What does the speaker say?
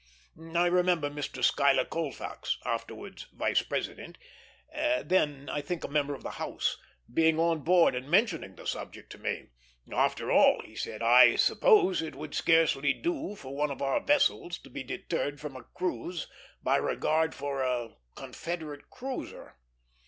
I remember Mr. Schuyler Colfax, afterwards Vice President, then I think a member of the House, being on board, and mentioning the subject to me. "After all," he said, "I suppose it would scarcely do for one of our vessels to be deterred from a cruise by regard for a Confederate cruiser."